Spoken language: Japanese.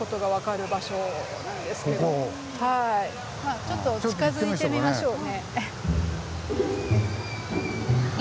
ちょっと近づいてみましょうね。